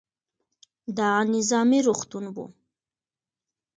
دا نظامي روغتون و.